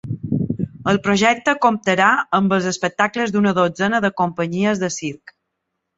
El projecte comptarà amb els espectacles d’una dotzena de companyies de circ.